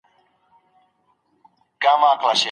ده خپل کالي په پام سره بدل کړل.